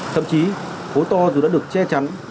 thậm chí hố to dù đã được che chắn